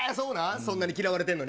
そんなに嫌われてるのに？